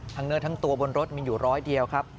เนื้อทั้งตัวบนรถมีอยู่ร้อยเดียวครับ